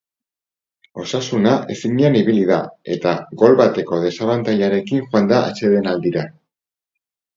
Osasuna ezinean ibili da, eta gol bateko desabantailarekin joan da atsedenaldira.